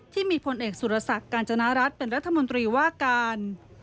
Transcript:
ที่มีพลเอกสุรศักดิ์กาญจนรัฐเป็นรัฐมนตรีว่าการ